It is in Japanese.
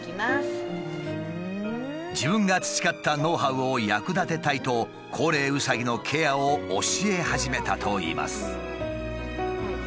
自分が培ったノウハウを役立てたいと高齢うさぎのケアを教え始めたといいます。